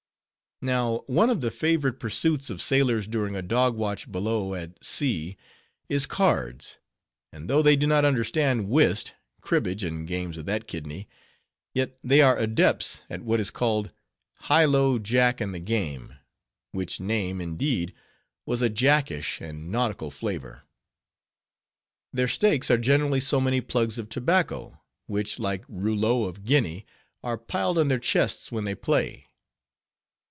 Now, one of the favorite pursuits of sailors during a dogwatch below at sea is cards; and though they do not understand whist, cribbage, and games of that kidney, yet they are adepts at what is called "High low Jack and the game," which name, indeed, has a Jackish and nautical flavor. Their stakes are generally so many plugs of tobacco, which, like rouleaux of guineas, are piled on their chests when they play.